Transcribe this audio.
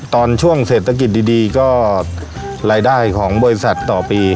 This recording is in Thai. ตอนช่วงเศรษฐกิจดีก็รายได้ของบริษัทต่อปี